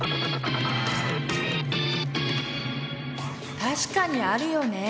確かにあるよね。